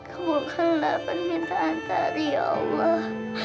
kamu akan dapat minta antari ya allah